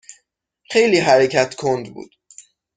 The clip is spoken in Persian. خیلی حرکت کند بود.